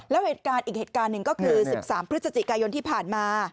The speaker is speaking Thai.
แล้วเหตุการณ์อีกเหตุการณ์หนึ่งก็คือ๑๓พฤศจิกายนที่ผ่านมา